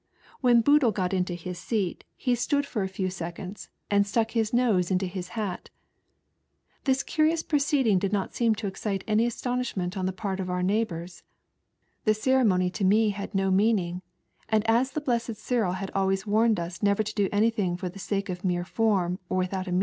When Boodle got into his seat he stood 18 ONLY A GHOST. for a few Eecondit and stuck Ms nose into his hat. This cTiriona proceeding did not seem to excite any ftstonishment on the part of oup neighboura. The ceremony to me had no meaning, and aa the Blessed Cyril had always warned na never to do anything for the Hake of mere form or without a.